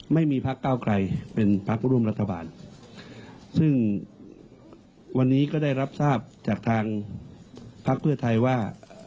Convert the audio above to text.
ไม่มีพักเก้าไกลเป็นพักร่วมรัฐบาลซึ่งวันนี้ก็ได้รับทราบจากทางพักเพื่อไทยว่า